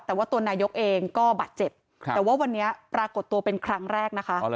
แต่ว่าตัวนายกเองก็บาดเจ็บแต่ว่าวันนี้ปรากฏตัวเป็นครั้งแรกนะคะ